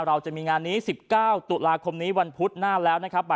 เราจะมีงานนี้๑๙ตุลาคมนี้วันพุธหน้าแล้วนะครับ